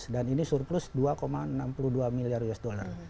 dan ini surplus dua enam puluh dua miliar usd